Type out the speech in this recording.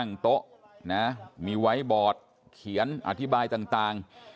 โต๊ะนะมีไว้บอร์ดเขียนอธิบายต่าง